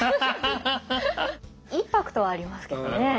インパクトはありますけどね。